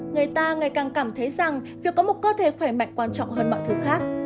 người ta ngày càng cảm thấy rằng việc có một cơ thể khỏe mạnh quan trọng hơn mọi thứ khác